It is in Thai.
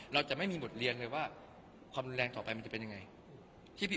เราจะไม่มีบทเรียนเลยว่าความรุนแรงต่อไปมันจะเป็นยังไง